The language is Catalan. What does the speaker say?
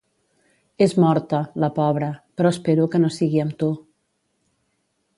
És morta, la pobra, però espero que no sigui amb tu.